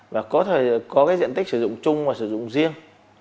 và có thể có cái diện tích sử dụng chung và sử dụng riêng